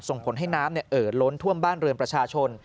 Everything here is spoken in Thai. ส่งผลให้น้ำเอ่อล้นท่วมบ้านเรือนประชาชน